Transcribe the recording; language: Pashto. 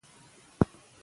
تفاهم دادی: